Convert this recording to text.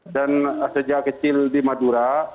dan sejak kecil di madura